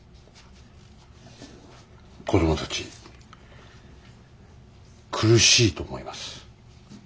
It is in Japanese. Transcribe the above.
子供たち苦しいと思います。